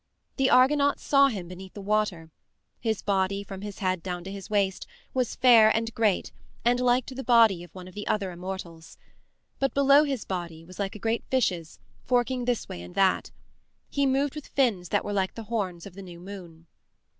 The Argonauts saw him beneath the water; his body, from his head down to his waist, was fair and great and like to the body of one of the other immortals. But below his body was like a great fish's, forking this way and that. He moved with fins that were like the horns of the new moon.